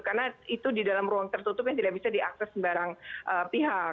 karena itu di dalam ruang tertutup yang tidak bisa diakses barang pihak